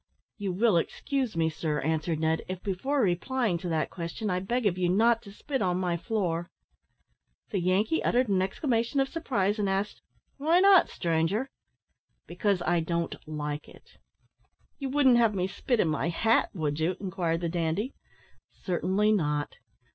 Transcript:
"You will excuse me, sir," answered Ned, "if, before replying to that question, I beg of you not to spit on my floor." The Yankee uttered an exclamation of surprise, and asked, "Why not, stranger?" "Because I don't like it." "You wouldn't have me spit in my hat, would you?" inquired the dandy. "Certainly not."